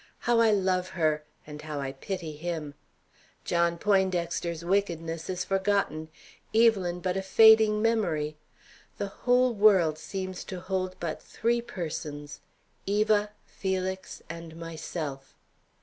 How I love her, and how I pity him! John Poindexter's wickedness is forgotten, Evelyn but a fading memory. The whole world seems to hold but three persons Eva, Felix, and myself.